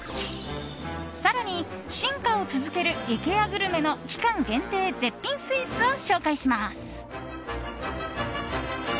更に、進化を続けるイケアグルメの期間限定絶品スイーツを紹介します。